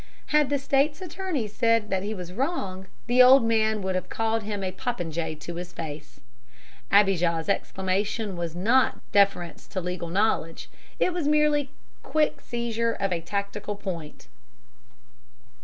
Had the state's attorney said that he was wrong, the old man would have called him a popinjay to his face. Abijah's exclamation was not deference to legal knowledge; it was merely quick seizure of a tactical point.